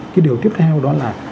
cái điều tiếp theo đó là